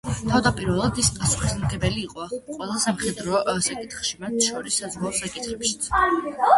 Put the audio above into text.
თავდაპირველად ის პასუხისმგებელი იყო ყველა სამხედრო საკითხში, მათ შორის საზღვაო საკითხებშიც.